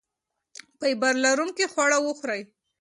فایبر لرونکي خواړه وخورئ.